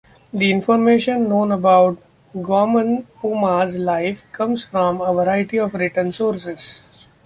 The information known about Guaman Poma's life comes from a variety of written sources.